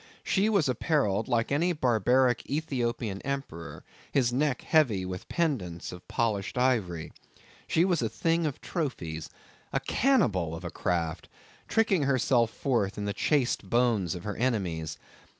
She was apparelled like any barbaric Ethiopian emperor, his neck heavy with pendants of polished ivory. She was a thing of trophies. A cannibal of a craft, tricking herself forth in the chased bones of her enemies.